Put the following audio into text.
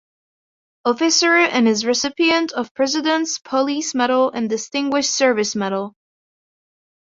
Officer and is Recipient of President’s Police Medal and Distinguished Service Medal.